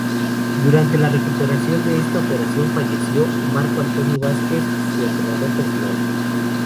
Durante la recuperación de esta operación, falleció Marco Antonio Vázquez, su entrenador personal.